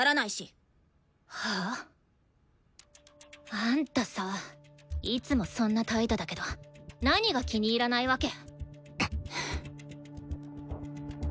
は？あんたさいつもそんな態度だけど何が気に入らないわけ？